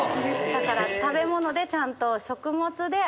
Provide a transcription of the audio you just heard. だから食べ物でちゃんと。